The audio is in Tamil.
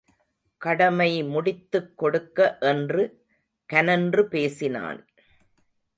கடமை முடித்துக் கொடுக்க என்று கனன்று பேசினான்.